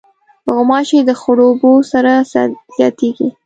غوماشې د خړو اوبو سره زیاتیږي.